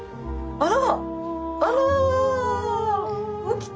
あら！